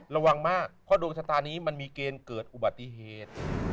ระวังมากเพราะดวงชะตานี้มันมีเกณฑ์เกิดอุบัติเหตุ